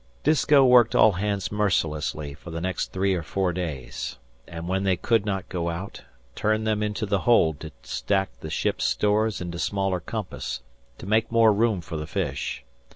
Disko worked all hands mercilessly for the next three or four days; and when they could not go out, turned them into the hold to stack the ship's stores into smaller compass, to make more room for the fish.